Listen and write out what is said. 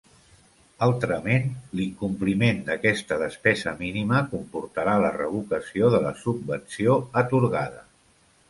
Altrament, l'incompliment d'aquesta despesa mínima, comportarà la revocació de la subvenció atorgada.